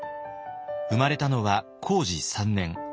生まれたのは弘治３年。